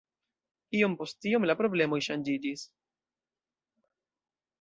Iom post iom la problemoj ŝanĝiĝis.